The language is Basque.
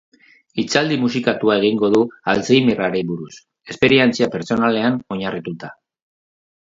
Hitzaldi musikatua egingo du alzheimerrarri buruz, esperientzia pertsonalean oinarrituta.